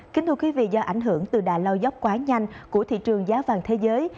kính thưa quý vị do ảnh hưởng từ đà lao dốc quá nhanh của thị trường giá vàng thế giới